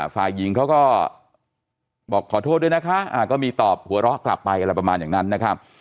ฝ่ายหญิงเขาก็บอกขอโทษด้วยนะคะก็มีตอบหัวเราะกลับไปอะไรประมาณอย่างนั้นนะครับ